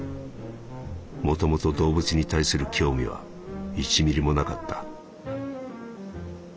元々動物に対する興味は一ミリもなかった」。